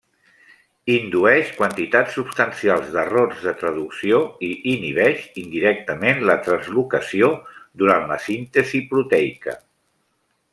Indueix quantitats substancials d'errors de traducció i inhibeix indirectament la translocació durant la síntesi proteica.